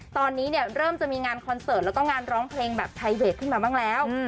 ตอนนี้เนี่ยเริ่มจะมีงานคอนเสิร์ตแล้วก็งานร้องเพลงแบบไทเวทขึ้นมาบ้างแล้ว